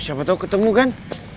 siapa tau ketemu kan